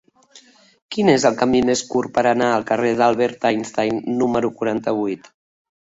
Quin és el camí més curt per anar al carrer d'Albert Einstein número quaranta-vuit?